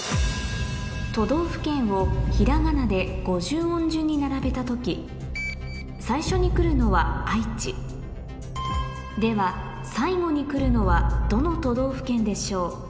都道府県をひらがなで５０音順に並べた時最初に来るのは「あいち」では最後に来るのはどの都道府県でしょう？